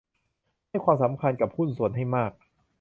ให้ความสำคัญกับหุ้นส่วนให้มาก